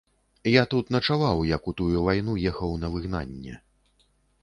Я тут начаваў, як у тую вайну ехаў на выгнанне.